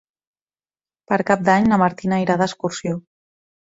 Per Cap d'Any na Martina irà d'excursió.